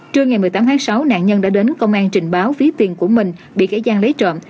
trưa ngày một mươi tám tháng sáu nạn nhân đã đến công an trình báo ví tiền của mình bị kẻ gian lấy trộm